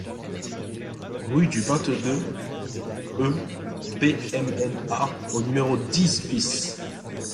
Rue du vingt-deux e BMNA au numéro dix BIS